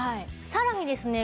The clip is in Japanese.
さらにですね